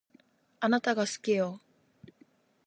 あなたが好きよ